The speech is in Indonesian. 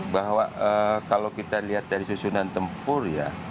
bahwa kalau kita lihat dari susunan tempur ya